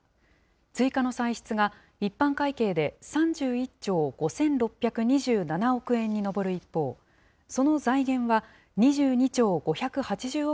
追加の歳出が、一般会計で３１兆５６２７億円に上る一方、その財源は２２兆５８０億